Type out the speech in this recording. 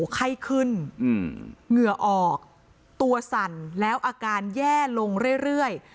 ไข้ขึ้นเหงื่อออกตัวสั่นแล้วอาการแย่ลงเรื่อย